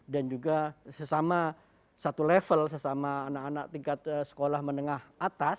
dan juga sesama satu level sesama anak anak tingkat sekolah menengah atas